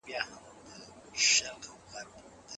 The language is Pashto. که بهر پاتې شې نو د یخنۍ له امله به خامخا ناروغه شې.